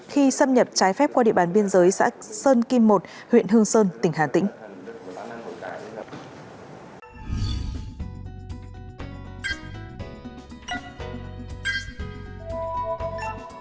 khi xâm nhập trái phép qua địa bàn biên giới xã sơn kim một huyện hương sơn tỉnh hà tĩnh